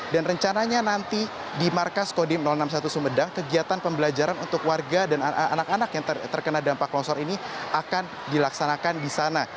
dan rencananya nanti di markas kodim enam puluh satu sumedang kegiatan pembelajaran untuk warga dan anak anak yang terkena dampak longsor ini akan dilaksanakan di sana